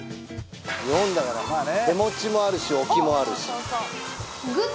日本だから手持ちもあるし置きもあるしおっ！